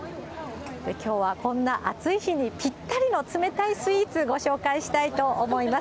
きょうはこんな暑い日にぴったりの冷たいスイーツ、ご紹介したいと思います。